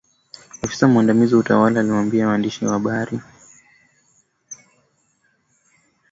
Afisa mwandamizi wa utawala aliwaambia waandishi wa habari.